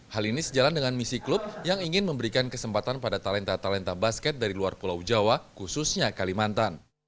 hal ini sejalan dengan misi klub yang ingin memberikan kesempatan pada talenta talenta basket dari luar pulau jawa khususnya kalimantan